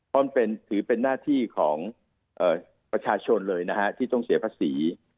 เพราะถือเป็นหน้าที่ของประชาชนเลยนะฮะที่ต้องเสียภาษี